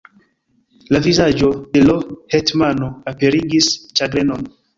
La vizaĝo de l' hetmano aperigis ĉagrenon.